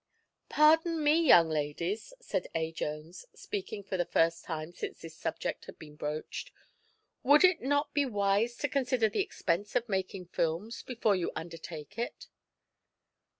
"Pardon me, young ladies," said A. Jones, speaking for the first time since this subject had been broached. "Would it not be wise to consider the expense of making films, before you undertake it?"